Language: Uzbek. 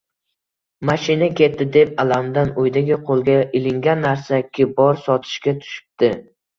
Mashina ketdi deb alamidan uydagi qo`lga ilingan narsaki bor, sotishga tushibdi